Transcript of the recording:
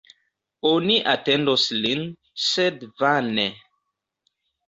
Oni atendos lin, sed vane.